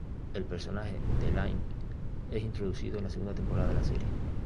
El personaje de Lynne es introducido en la segunda temporada de la serie.